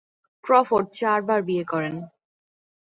Crawford চারবার বিয়ে করেন।